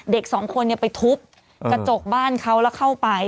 เด็กสองคนไปทุบกระจกบ้านเขาแล้วเข้าไป